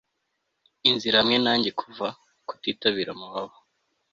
Inzira hamwe nanjye kuva kutitabira amababa